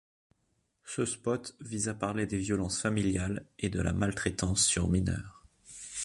Ce spot vise à parler des violences familiales et de la maltraitance sur mineur.